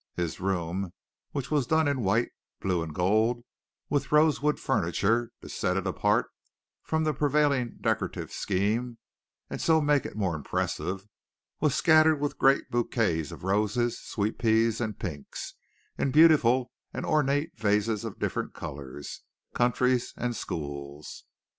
His room, which was done in white, blue and gold with rose wood furniture, to set it apart from the prevailing decorative scheme and so make it more impressive, was scattered with great bouquets of roses, sweet peas and pinks, in beautiful and ornate vases of different colors, countries and schools.